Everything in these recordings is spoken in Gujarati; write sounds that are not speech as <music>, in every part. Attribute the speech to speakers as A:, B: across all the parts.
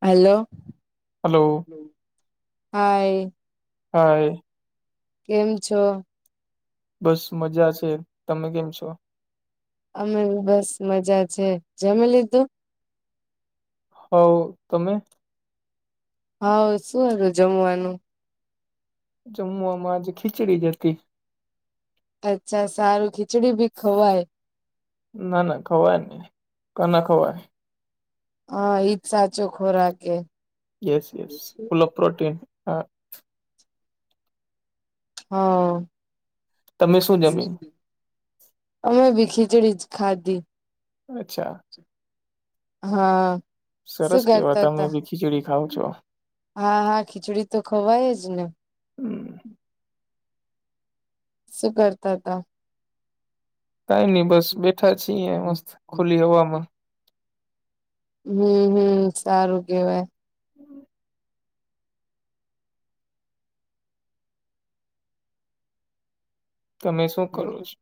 A: હેલો.
B: હલો.
A: હાઈ.
B: હા એ.
A: કેમ છો?
B: બસ મજા છે, તમે કેમ છો?
A: અમે બસ મજા છે, જમ લીધું?
B: હવ તમે?
A: હા શું હતું જમવાનું?
B: જમવાવામાંજ ખીચડી જતી.
A: અચ્છા સારું ખીચડી ભી ખવાય.
B: ના ના ખવાય નહી કો ના ખવાય.
A: હા એ જ સાચો ખોરા કે.
B: યસ યસ ફુલ ઓ પ્રોટીન હ.
A: હા.
B: તમે શું જમી
A: <inaudible> અમે ભી ખીચડી ખાધી.
B: અચ્છા.
A: હા. શું
B: સરસ કેવા
A: કરતા
B: તમે
A: તા
B: બી ખીચડી ખાવ છો.
A: હા હા ખીચડી તો ખવાય જ ને.
B: હમ.
A: સુું કરતા હતા?
B: કઈ નહીિ બસ બેઠા છી એ મસ્ત ખુલી હવામાં.
A: હમ હમ સારું કેવાય.
B: તમે શું કરો છો?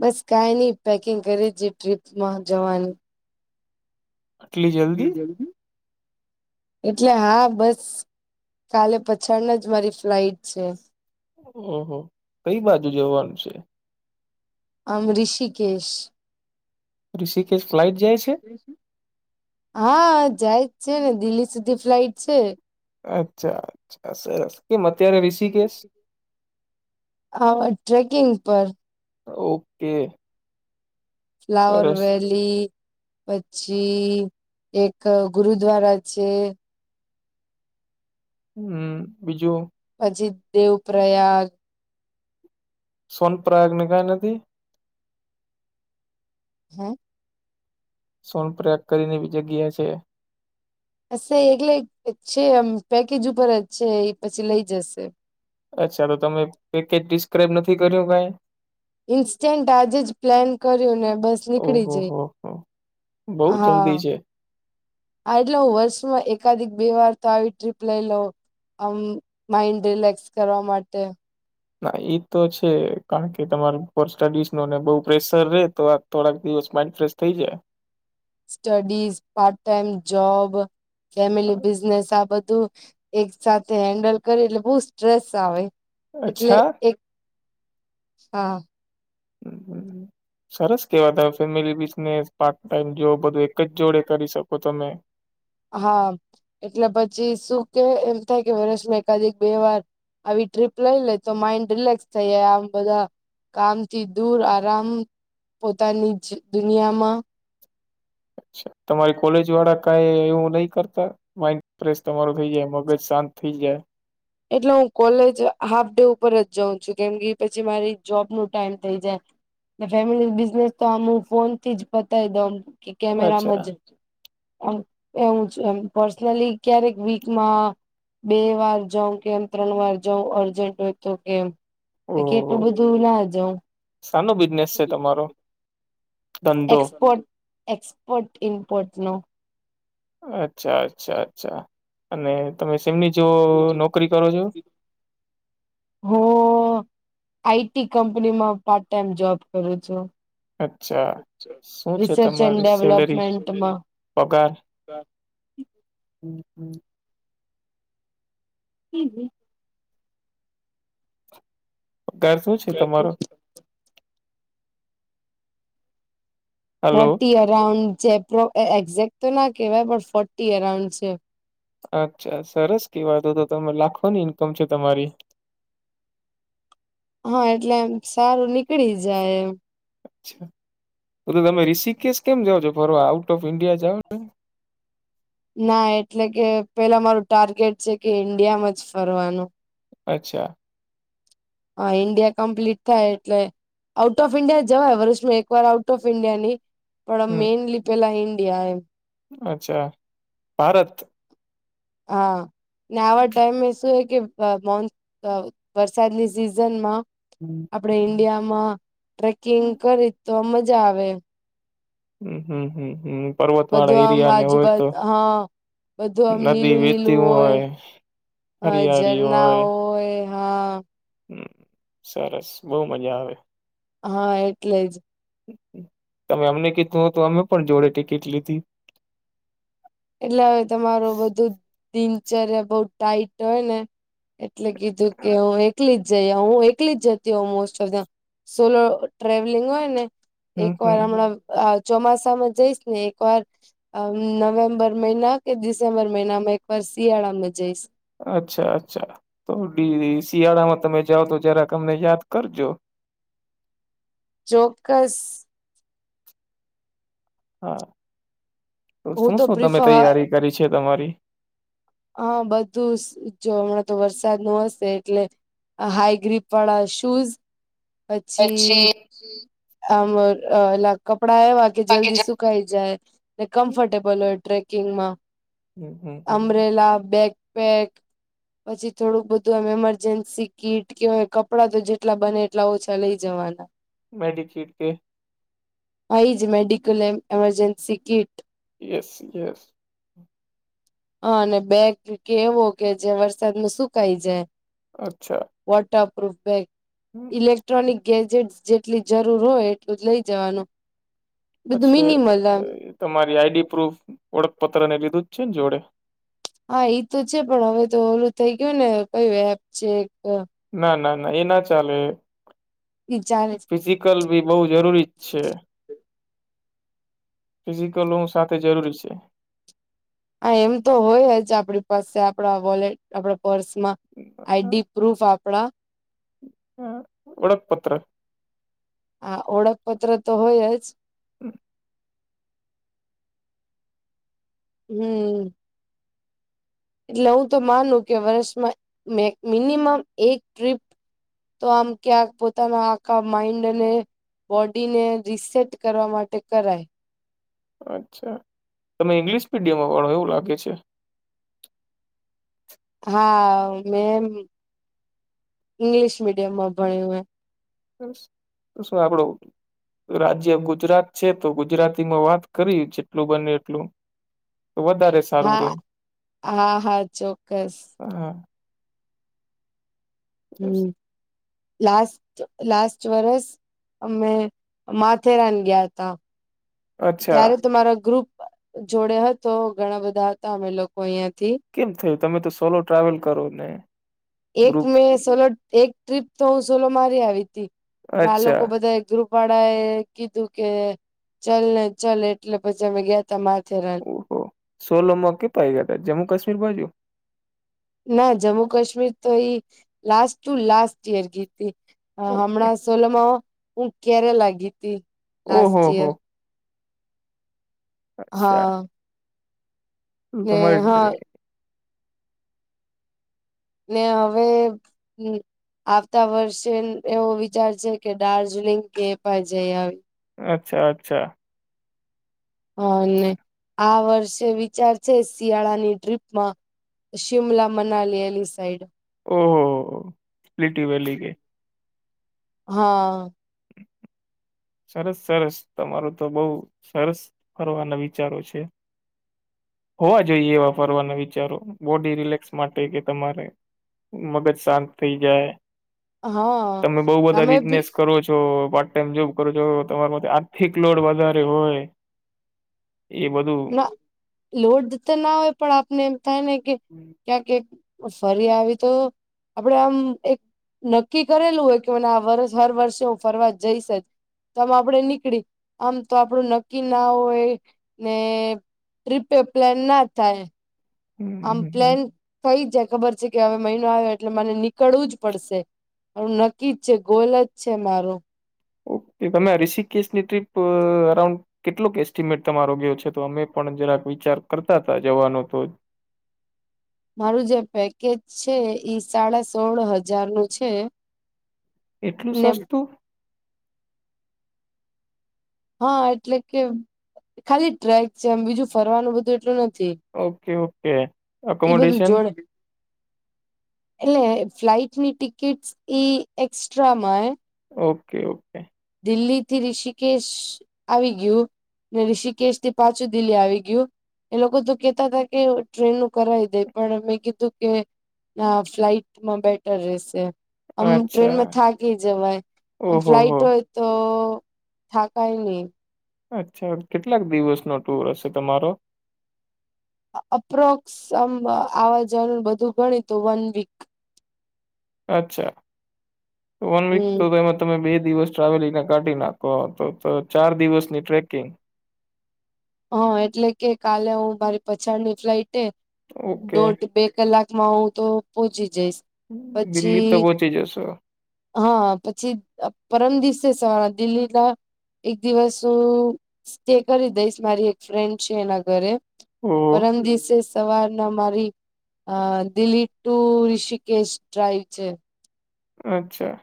A: બસ કઈ નઈ પેકિંગ કરીે છે ટ્રીપમાં જવાની.
B: <unintelligible>
A: <inaudible> એટલે હા બસ કાલે પછાળના જ મારી ફ્લાઈટ છે.
B: હમ હમ કઈ બાજુ જવાનું છે?
A: આમ ઋષિકેશ.
B: ઋષિકેશ ફ્લાઇટ જાય છે
A: હા જાય જ છે ને દિલ્હી સુધી ફ્લાઈટ છે.
B: અચ્છા અચ્છા સરસ કેમ અત્યારે ઋષિકેશ?
A: હા <inaudible> ટ્રેકિંગ પર.
B: ઓકે.
A: ફ્લાવર
B: સરસ
A: વેલી પછી એક ગુરુદ્વારા છે.
B: હમ, બીજું?
A: પછી દેવ પ્રયાગ.
B: સોન પ્રયાગને કઈ નથી?
A: હમ.
B: સોન પ્રયાગ કરીને બી જગ્યા છે.
A: અ એટલે છેમ પેકેજ ઉપર જ છે એ પછી લઈ જશે.
B: અચ્છા તો તમે પેકેજ ડિસ્ક્રાઈબ નથી કર્યું કઈ?
A: ઇન્સ્ટન્ટ આજે જ પ્લાન કર્યું ને બસ નીકળી
B: ઓહો
A: જઈ.
B: હો હો બહુ
A: હા
B: જલ્દી છે.
A: હા એટલે હું વર્ષમાં એકાધ બે વાર તો આવી ટ્રીપ લઈ લઉ. આમ માઇન્ડ રિલેક્સ કરવા માટે.
B: ના એ તો છે કારણ કે તમાર ઉપર સ્ટડીઝ નોને બહુ પ્રેશર રે તો આ થોડાક દિવસ માઇન્ડ ફ્રેશ થઈ જાય.
A: Studies part time job family business આ બધું એક સાથે હેન્ડલ કરી એટલે બહું સ્ટ્રેસ આવે એટલે
B: અચ્છા
A: એક હા.
B: હમ્મ હમ્મ. સરસ કેવા તમે family business part time job બધું એક જ જોડે કરી શકો તમે
A: હા એટલે પછી શું કે એમ થાય કે વર્ષમાં એકાદ બે વાર આવી ટ્રીપ લઈ લે તો માઈન્ડ રિલેક્સ થઈ જાય આમ બધા કામથી દૂર આરામ પોતાની જ દુનિયામાં
B: અચ્છા તમારી કોલેજ વાળા કઈ એવું નહી કરતા? માઇન્ડ ફ્રેશ તમારું થઈ જાય મગજ શાંત થઈ જાય.
A: એટલે હું કોલેજ હાફ ડે ઉપર જ જાઉં છું કેમ કે પછી મારી જોબ ન ટાઈમ થઈ જાય. ફેમિલી બિઝનેસ તો આમું ફોનથી જ પતાવી દઉમ કે કેમેરામાં
B: અચ્છા
A: જ. એમ એવું છે પર્સનલી ક્યારેક વીકમાં બે વાર જઉ કેમ ત્રણ વાર જઉ અર્જન્ટ હોય તો કેમ
B: ઓહ
A: એટલું બધું ના જઉ
B: સાનો બિઝનેસ છે તમારો ધંધો
A: એક્સપોર્ટ એક્સપોર્ટ ઇમપોર્ટ નો
B: અચ્છા અચ્છા અચ્છા અને તમે સેમની જો નોકરી કરો છો.
A: હું આઈટી કંપનીમાં પાર્ટ ટાઈમ જોબ કરું છું.
B: અચ્છા શું
A: રિસર્ચ એન્ડ ડેવલપમેન્ટમાં.
B: પોકાર
A: હી જી
B: કર શું છે તમારો. હલો
A: ફોર્ટી અરાઉન્ડ જે એઝેક્ટ તો ના કેહેવાય પણ ફોર્ટી અરાઉન્ડ છે.
B: અચ્છા સરસ કેવાતો તો તમે લાખોની ઇન્કમ છે તમારી.
A: હા એટલે એમ સારું નીકળી જાય એમ.
B: અચ્છા તો તો તમે રીષિકેશ કેમ જાવ છો ફરવા આઉટ ઓફ ઈન્ડિયા જાઓ ને.
A: ના એટલે કે પેલા મારું ટાર્ગેટ છે કે ઈન્ડિયામાં જ ફરવાનું.
B: અચ્છા.
A: હા ઇન્ડિયા કમ્પ્લીટ થાય એટલે આઉટ ઓફ ઈન્ડિયા જવાય વર્ષમાં એક વાર આઉટ ઓફ ઈન્ડિયા નહી પણ
B: હમ
A: મેઈનલી પેલા ઈન્ડિયા એમ.
B: અચ્છા ભારત
A: હા ને આવા ટાઈમ શું હે કે અ મોન અ વરસાદની સિઝનમાં.
B: હમ્મ.
A: આપડે ઈન્ડિયામાં ટ્રેકિંગ કરી તો આ મજા આવે એમ
B: હમ્મ હમ્મ હમ્મ હમ્મ.
A: બધું આમ આજુબાજ હા બધું આમ
B: નદી
A: નીલું
B: વેતી
A: નીલું હોય. હા
B: હરિયાળી
A: ઝરના હોય હા.
B: હમ્મ સરસ બહુ મજા આવે.
A: હા એટલે જ.
B: તમે અમને કીધું હો તો અમે પણ જોડે ટિકિટ લીધી
A: એટલે હવે તમારું બધું દિનચર્યા બહું ટાઈટ હોય ને. એટલે કીધું કે હું એકલી જ જઈ આઉ હું એકલી જતી હો most of the solo travelling હોય ને.
B: હમ
A: એક વાર
B: હમ
A: હમણાં આ ચોમાસામાં જઈશ ને એકવાર અ નવેમ્બર. નવેમ્બર મહિના કે ડિસેમ્બર મહિનામાં એક વાર શિયાળામાં જઈશ.
B: અચ્છા અચ્છા તો શિયાળામાં તમે જાઓ તો જરાક તમને યાદ કરજો.
A: ચોક્કસ.
B: હા તો
A: હું
B: શું શું તમે
A: પ્રિફર
B: તૈયારી કરી છે તમારી.
A: હા બધું જો હમણાં તો વરસાદ નુ હશે એટલે હાઈગ્રીડ વાળા શૂઝ પછી આમ ઓલા કપડા એવા. કે
B: બાકી
A: જલ્દી
B: જ
A: સુકાઈ જાય ને કમ્ફર્ટેબલ હોય ટ્રેકિંગમાં.
B: હમ્મ હમ્મ હમ્મ.
A: આ બેગ પેક પછી થોડુંક બધું આમ ઈમરજન્સી કીટ કેવાય કપડાં તો જેટલા બને એટલા ઓછા લઇ જવાનું. હા.
B: મેડિ ખીટ કે.
A: હા એજ મેડિકલ એમ એમરજન્સી કિટ.
B: Yes yes.
A: હા અને બેગ કે એવો કે જે વરસાદમાં સુકાઈ જાય.
B: અચ્છા.
A: વટરપૂફ બેગ
B: હમ
A: લેક ક્ટ્રોનિક ગેજેટ જેટલી જરૂર હોય એટલું જ લઈ જવાનું. બધું
B: પછી
A: મિનીમલ
B: અ, તમારી આઈડી પ્રૂફ ઓળખપત્રને લીધું જ છે ને જોડે.
A: હા એ તો છે પણ હવે તો ઓલું થઈ ગયું ને કયું એપ છે એક
B: ના, ના, ના એ ના ચાલે.
A: ઈ ચાલે છે.
B: ફિઝિકલ ભી બહુ જરૂરી છે. ફિઝિકલ હોવું સાથે જરૂરી છે.
A: હા એમ તો હોય જ આપડી પાસે આપડા વોલેટ આપણા પર્સમાં. આઈડી પ્રૂફ આપણા
B: ઓળખપત્ર.
A: હા ઓળખપત્ર તો હોય જ.
B: હમ.
A: હમ. એટલે હું તો માનું કે વર્ષમાં મિનિમમ એક ટ્રીપ તો આમ ક્યાંક પોતાના આખા માઇન્ડને બોડી ને રીસેટ કરવા માટે કરાય.
B: અચ્છા, તમે ઈંગ્લિશ મીડિયમમાં ભણો એવું લાગે છે.
A: હા મે ઇંગ્લિશ મીડિયમમાં ભણ્યું હે.
B: બસ તો શું આપડું રાજ્ય ગુજરાત છે તો ગુજરાતીમાં વાત કરી જેટલું બને એટલું. વધારે સારું રે
A: હા, હા, હા, ચોક્કસ.
B: હા.
A: હમ લાસ્ટ લાસ્ટ વરસ અમે માથેરાન ગયા હતા
B: અચ્છા
A: ત્યારે તમારા ગ્રુપ જોડે હતો ઘણા બધા હતા અમે લોકો અહિયાંથી.
B: કેમ થયું તમે તો સોલો ટ્રાવેલ કરો ને.
A: એક
B: ગ્રુપ
A: મેં સોલો એક ટ્રીપ તો હું સોલો મારી આવી હતી પણ આ લોકો
B: અચ્છા
A: બધા ગ્રુપ વાળા એ કીધું કે ચલ ને ચલ એટલે પછી અમે ગયાતા માથેરા
B: હો સોલોમાં કેપા ગયા હતા જમ્મુ કશ્મીર બાજું?
A: ના જમ્મુ કાશ્મીર તો એઈ લાસ્ટ ટુ લાસ્ટ ઈયર ગીતી
B: ઓકે
A: હમણાં સોલોમાં હું કેરેલા ગીતી લાસ્ટ
B: ઓહો હો
A: ઈયર.
B: અચ્છા.
A: હા ને હા
B: <unintelligible>
A: ને હવે આવતા વર્ષે એવો વિચાર છે કે દાર્જિલિંગ કે એપા જઈ આવી.
B: અચ્છા, અચ્છા.
A: હા અને આ વર્ષે વિચાર છે શિયાળાની ટ્રીપમાં શિમલા મનાલી એની સાઈડ.
B: ઓ કવિ્ટી વેલી કે
A: હા
B: સરસ સરસ તમાર તો બઉ સરસ ફરવાના વિચારો છે હોવા જોઈએ એવા ફરવાના વિચારો બોડી રિલેક્સ માટે કે તમારે મગજ શાંત થઈ જાય.
A: હા
B: તમે બહું બધા
A: બી
B: બિઝનેસ કરો છો તેમ જો કરો છો તમારા માટે આર્થિક લોડ વધારે હોય. એ બધું
A: ના લોડ તો ના હોય પણ આપને એમ થાય ને કે
B: હમ
A: ક્યાંક એક ફરી આવી તો આપડે આમ એક નક્કી કરેલું હોય કે હું ના હર વર્ષે હું ફરવા જઈશ જ તોમ આપડે નીકળી આમતો આપડું નક્કી ના હોય ને ટ્રીપે પ્લાન ના થાય
B: હમ
A: આમ
B: હમ,
A: પ્લેન થઈ જાય ખબર છે કે હવે મહિનો આવ્યો એટલે મને નીકળવું જ પડશે મારું નક્કી જ છે ગોલ જ છે મારો
B: ઓકે તમે રિસીકિસની ટ્ર્રીપ રાઉન્ડ કેટલો ક એસ્ટિમેટ તમારો ગયો છે તો અમે પણ જરાક વિચાર કરતા હતા જવાનો તો
A: મારું જે પેકેજ છે ઈ સાડા સોળ હજાર નું છે
B: એટલું
A: ને
B: સસ્તું
A: હા એટલે કે ખાલી ટ્રેક છે એમ બીજું ફરવાનું બધું એટલું નથી
B: ઓકે ઓકે
A: એ બધું
B: ઓકોમોડેશન
A: જોડે એટલે ફ્લાઈટની ટિકિટસ ઈ એકક્સ્ટ્રામાં
B: ઓકે ઓકે
A: દિલ્હી થી રીષિકેશ આવી ગયું ને રીષિકેશ થી પાછું દિલ્લી આવી ગયું એ લોકો તો કેતા હતા કે ટ્રેન નું કરાવી દેય પણ મેં કીધું કે ના ફ્લાઈટમાં બેટર રહેશે આમ
B: અચ્છા
A: ટ્રેનમાં થાકી જવાય આમ
B: ઓહો
A: ફ્લાઇટ
B: હો
A: હોય તો થાકાય ની
B: અચ્છા કેટલાક દિવસ નો ટુર હશે તમારો
A: અપ્રોક્સ આમ આવા જ બધું ગણી તો વન વીક
B: અચ્છા વન વીક
A: હમ
B: તો તમે તમે બે દિવસ ટ્રાવેલિંગને કાઢી નાખો તો ચાર દિવસની ટ્રેકિંગ
A: હા એટલે કે કાલે હું મારી પછાડની ફ્લાઇટ
B: ઓકે
A: દોઢ બે કલાક માં હું તો પહોચી જઈશ
B: દિલ્હી તો
A: પછી
B: પહોંચી જશો
A: હા પછી પરમ દિવસે સવા દિલ્હી ના એક દિવસ સ્ટે કરી દઈશ મારી એક ફ્રેન્ડ છે એના ઘરે
B: ઓહો
A: પરમ દિવસે સવારના મારી અ દિલ્લી ટુ રીષિકેશ ડ્રાઈવ છે
B: અચ્છા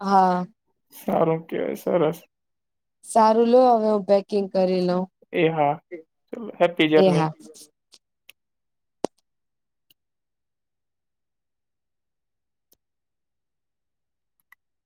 A: હા
B: સારું કેવાય સરસ
A: સારું લો હવે હું પેકિંગ કરી લઉ
B: એ હા હે
A: એ હા